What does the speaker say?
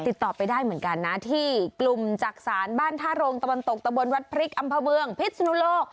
ติดต่อไปได้เหมือนกันนะที่กลุ่มจักษานบ้านท่าโรงตะวันตกตะบนวัดพริกอำเภอเมืองพิษนุโลก